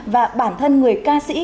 và bản thân người ca sĩ